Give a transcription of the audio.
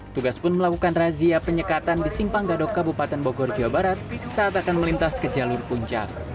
tugas pun melakukan razia penyekatan di simpang gadok kabupaten bogor jawa barat saat akan melintas ke jalur puncak